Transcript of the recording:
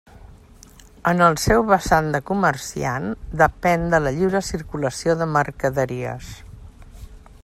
En el seu vessant de comerciant depén de la lliure circulació de mercaderies.